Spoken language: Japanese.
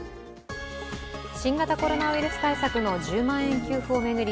新型コロナウイルス対策の１０万円給付を巡り